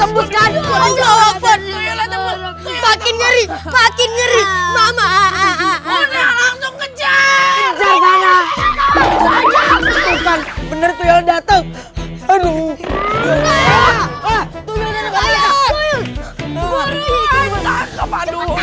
hai hai langsung kejar kejar sana bener bener dateng aduh